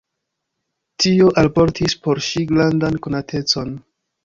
Tio alportis por ŝi grandan konatecon.